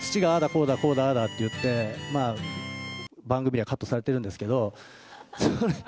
こうだ、こうだああだって言って、番組ではカットされてるんですけれども。